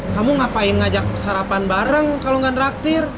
kamu ngapain ngajak sarapan bareng kalau gak ngeraktir